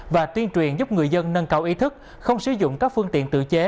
và tuyên truyền giúp người dân nâng cao ý thức không sử dụng các phương tiện tự chế